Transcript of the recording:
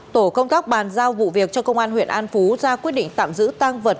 tổ công tác bàn giao vụ việc cho công an huyện an phú ra quyết định tạm giữ tăng vật